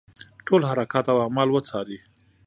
ټول حرکات او اعمال وڅاري.